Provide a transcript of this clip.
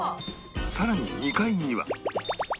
さらに２階には